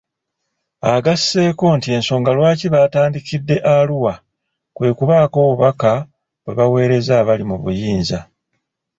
Agasseeko nti ensonga lwaki batandikidde Arua, kwe kubaako obubaka bwe baweereza abali mu buyinza.